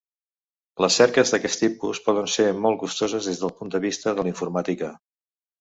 Les cerques d'aquest tipus poden ser molt costoses des del punt de vista de la informàtica.